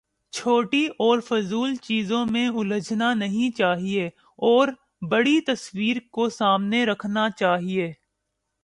چھوٹی اور فضول چیزوں میں الجھنا نہیں چاہیے اور بڑی تصویر کو سامنے رکھنا چاہیے۔